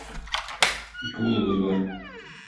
Ике улыбыз бар.